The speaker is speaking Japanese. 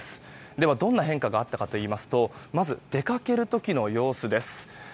では、どんな変化があったかといいますとまず、出かける時の様子です。